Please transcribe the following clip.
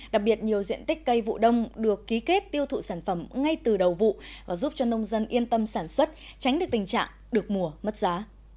đặc biệt nhiều diện tích cây vụ đông được ký kết tiêu thụ sản phẩm ngay từ đầu vụ và giúp cho nông dân yên tâm sản xuất tránh được tình trạng được mùa mất giá